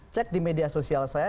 cek di media sosial saya